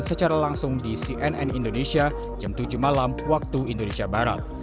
secara langsung di cnn indonesia jam tujuh malam waktu indonesia barat